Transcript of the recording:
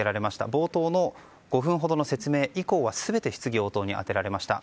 冒頭の５分ほどの説明以降は全て質疑応答に充てられました。